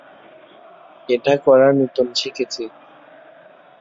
এটা করা নতুন শিখেছি।